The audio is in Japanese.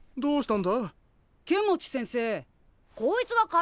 ん？